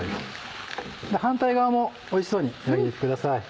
反対側もおいしそうに焼いてください。